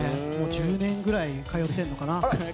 １０年ぐらい通ってるのかな。